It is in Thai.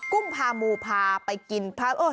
กุ้มพาหมูพาไปกินพา